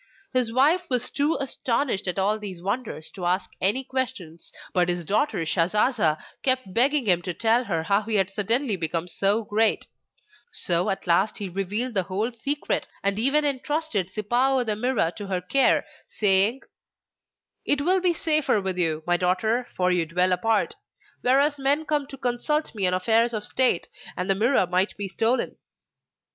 His wife was too astonished at all these wonders to ask any questions, but his daughter Shasasa kept begging him to tell her how he had suddenly become so great; so at last he revealed the whole secret, and even entrusted Sipao the Mirror to her care, saying: 'It will be safer with you, my daughter, for you dwell apart; whereas men come to consult me on affairs of state, and the Mirror might be stolen.